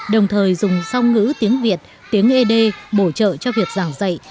đồng thời dùng song ngữ tiếng việt tiếng ấy đê bổ trợ cho việc giảng dạy